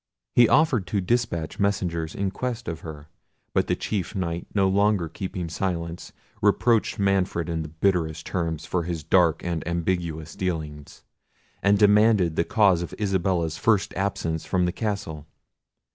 He offered to despatch messengers in quest of her, but the chief Knight, no longer keeping silence, reproached Manfred in bitter terms for his dark and ambiguous dealing, and demanded the cause of Isabella's first absence from the castle.